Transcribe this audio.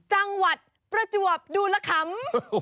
จังหวัดประจวบดูละคำ